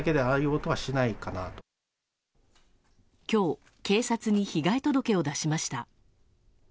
今日、警察に被害届を出しました。